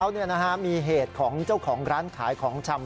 เขามีเหตุของเจ้าของร้านขายของชำ